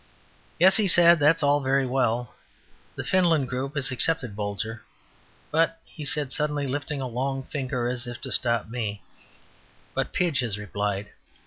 "Yes," he said, "that's all very well. The Finland Group has accepted Bolger. But," he said, suddenly lifting a long finger as if to stop me, "but Pidge has replied.